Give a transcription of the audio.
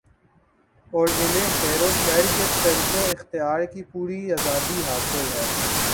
اور انھیں خیروشر کے ترک و اختیار کی پوری آزادی حاصل ہے